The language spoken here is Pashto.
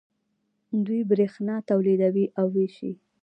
دوی بریښنا تولیدوي او ویشي.